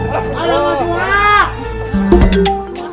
bapak bapak berhenti stop